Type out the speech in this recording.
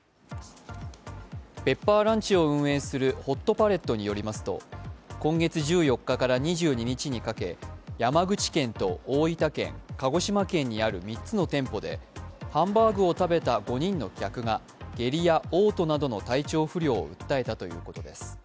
ペッパーランチを運営するホットパレットによりますと今月１４日から２２日にかけ山口県と大分県、鹿児島県にある３つの店舗でハンバーグを食べた５人の客が下痢やおう吐などの体調不良を訴えたということです。